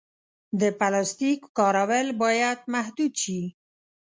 د پلاسټیک کارول باید محدود شي.